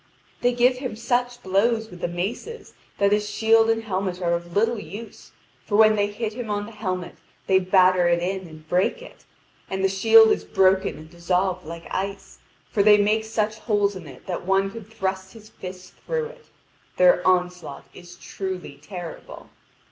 They give him such blows with the maces that his shield and helmet are of little use, for when they hit him on the helmet they batter it in and break it; and the shield is broken and dissolved like ice, for they make such holes in it that one could thrust his fists through it: their onslaught is truly terrible.